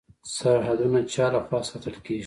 سرحدونه چا لخوا ساتل کیږي؟